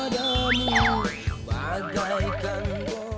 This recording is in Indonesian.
dong jangan kalau urban